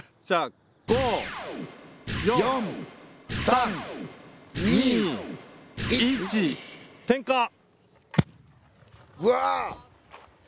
じゃあうわ！